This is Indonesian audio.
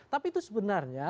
tapi itu sebenarnya